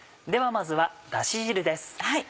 ではまずはダシ汁です。